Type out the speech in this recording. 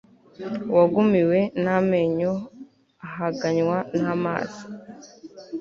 uwagumiwe n'amenyo ahaganywa n'amazi